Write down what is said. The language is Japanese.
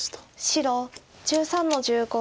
白１３の十五。